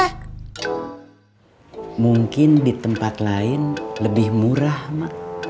hm mungkin di tempat lain lebih murah mak